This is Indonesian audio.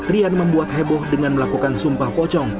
rian membuat heboh dengan melakukan sumpah pocong